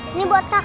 ini buat kakak